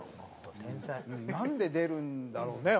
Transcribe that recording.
なんで出るんだろうね